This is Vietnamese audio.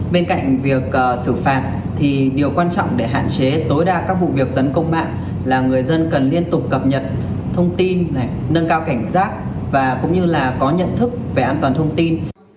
bên cạnh việc xử phạt thì điều quan trọng để hạn chế tối đa các vụ việc tấn công mạng là người dân cần liên tục cập nhật thông tin nâng cao cảnh giác và cũng như là có nhận thức về an toàn thông tin